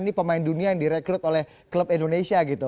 ini pemain dunia yang direkrut oleh klub indonesia gitu